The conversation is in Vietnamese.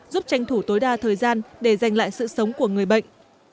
giúp tranh thủ tối đa thời gian để giành lại sự sống của người bệnh